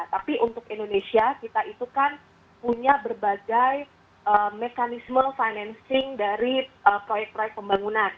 tapi untuk indonesia kita itu kan punya berbagai mekanisme financing dari proyek proyek pembangunan